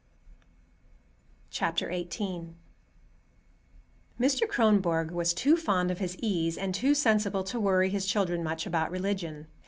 XVIII Mr. Kronborg was too fond of his ease and too sensible to worry his children much about religion.